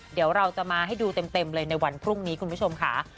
เดี๋ยวเราจะมาให้ดูเต็มเลยในวันพรุ่งนี้คุณผู้ชมค่ะ